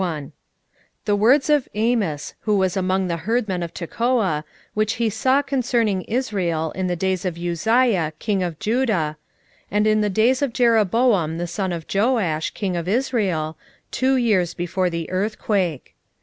Amos 1:1 The words of Amos, who was among the herdmen of Tekoa, which he saw concerning Israel in the days of Uzziah king of Judah, and in the days of Jeroboam the son of Joash king of Israel, two years before the earthquake.